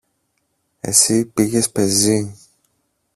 Εσύ πήγες πεζή.